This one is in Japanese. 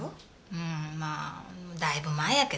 うんまあだいぶ前やけどなぁ。